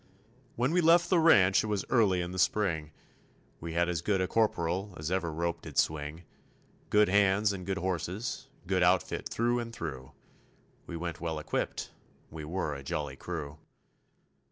When we left the ranch it was early in the spring, We had as good a corporal as ever rope did swing, Good hands and good horses, good outfit through and through, We went well equipped, we were a jolly crew.